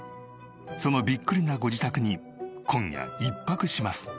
そのビックリなご自宅に今夜１泊します。